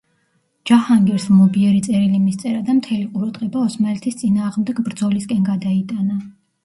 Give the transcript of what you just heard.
ჯაჰანგირს ლმობიერი წერილი მისწერა და მთელი ყურადღება ოსმალეთის წინააღმდეგ ბრძოლისკენ გადაიტანა.